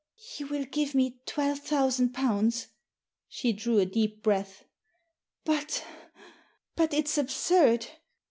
"You will give me twelve thousand pounds?" She drew a deep breath. "But — but it's absurd!